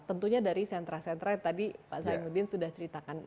tentunya dari sentra sentra yang tadi pak zainuddin sudah ceritakan